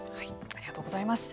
ありがとうございます。